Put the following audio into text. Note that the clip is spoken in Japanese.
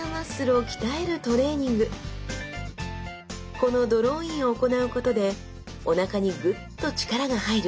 このドローインを行うことでおなかにグッと力が入る